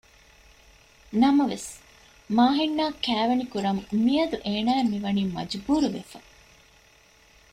ނަމަވެސް މާހިން އާ ކައިވެނިކުރަން މިޔަދު އޭނާއަށް މި ވަނީ މަޖުބޫރުވެފަ